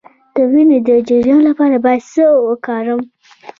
د وینې د جریان لپاره باید څه وکړم؟